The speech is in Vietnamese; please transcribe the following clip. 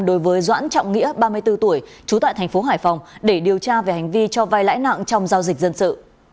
đối với doãn trọng nghĩa ba mươi bốn tuổi trú tại thành phố hải phòng để điều tra về hành vi cho vai lãi nặng trong giao dịch dân sự